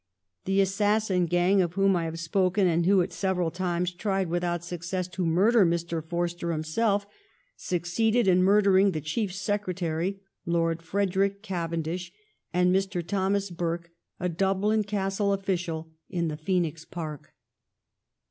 The assassin gang of whom I have spoken, and who at several times tried without success to murder Mr. Forster himself, succeeded in mur dering the Chief Secretary, Lord Frederick Cav endish, and Mr. Thomas Burke, a Dublin Castle official, in the Phoenix Park.